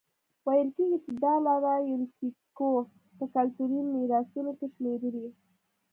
ویل کېږي چې دا لاره یونیسکو په کلتوري میراثونو کې شمېرلي.